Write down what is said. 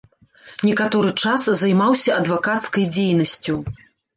Некаторы час займаўся адвакацкай дзейнасцю.